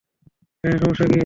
হ্যাঁ, সমস্যা কী?